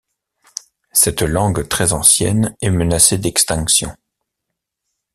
Cette langue très ancienne est menacée d'extinction.